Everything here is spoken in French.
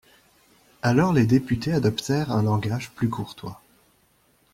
Alors les députés adoptèrent un langage plus courtois.